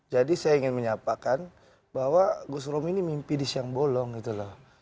jadi saya ingin menyapakan bahwa gus rom ini mimpi di siang bolong gitu loh